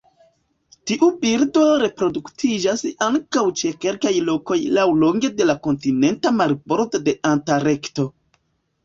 Tiu birdo reproduktiĝas ankaŭ ĉe kelkaj lokoj laŭlonge de la kontinenta marbordo de Antarkto.